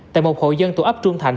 tại một hội dân tổ ấp trung thành